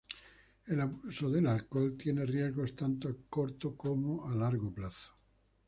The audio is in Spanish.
El abuso del alcohol tiene riesgos tanto a corto como a largo plazo.